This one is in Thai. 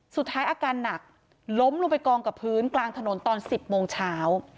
อาการหนักล้มลงไปกองกับพื้นกลางถนนตอน๑๐โมงเช้า